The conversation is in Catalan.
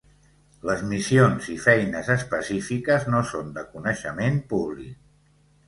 Les missions i feines específiques no són de coneixement públic.